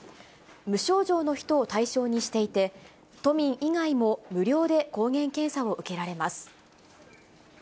無症状の人を対象にしていて、都民以外も無料で抗原検査を受けられます。